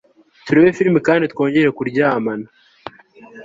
turebe filimi kandi twongere kuryamana